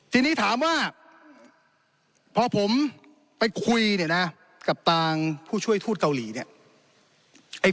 ทีนี้ถามว่าพอผมไปคุยเนี่ยนะกับทางผู้ช่วยทูตเกาหลีเนี่ย